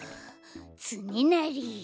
つねなり。